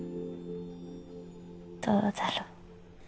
どうだろ。